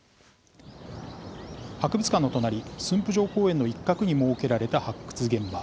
博物館の隣、駿府城公園の一角に設けられた発掘現場。